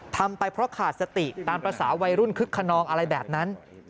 ทำไปเพราะขาดสติตามภาษาวัยรุ่นคึกขนองอะไรแบบนั้น